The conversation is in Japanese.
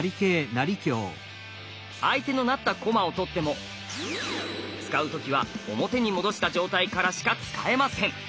相手の成った駒を取っても使う時は表に戻した状態からしか使えません。